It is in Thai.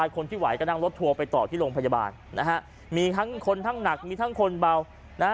คนที่ไหวก็นั่งรถทัวร์ไปต่อที่โรงพยาบาลนะฮะมีทั้งคนทั้งหนักมีทั้งคนเบานะฮะ